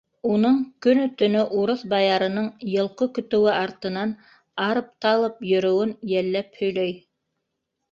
Уның көнө-төнө урыҫ баярының йылҡы көтөүе артынан арып-талып йөрөүен йәлләп һөйләй.